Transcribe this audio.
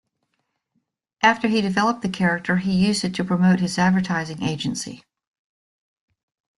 After he developed the character, he used it to promote his advertising agency.